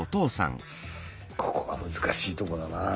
ここが難しいとこだな。